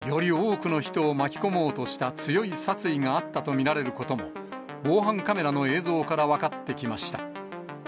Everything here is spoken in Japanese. より多くの人を巻き込もうとした強い殺意があったと見られることも、防犯カメラの映像から分かってきました。